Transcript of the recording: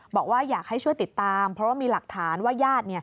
บอกว่าอยากให้ช่วยติดตามเพราะว่ามีหลักฐานว่าญาติ